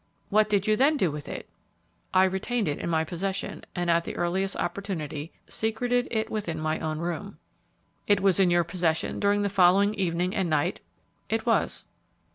"What did you then do with it?" "I retained it in my possession, and at the earliest opportunity secreted it within my own room." "It was in your possession during the following evening and night?" "It was."